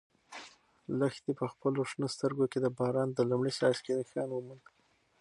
لښتې په خپلو شنه سترګو کې د باران د لومړي څاڅکي نښان وموند.